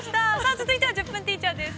続いては「１０分ティーチャー」です。